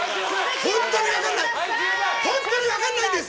本当に分からないんです！